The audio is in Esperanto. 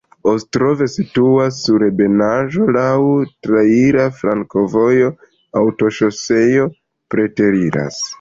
Ostrov situas sur ebenaĵo, laŭ traira flankovojo, aŭtoŝoseo preteriras.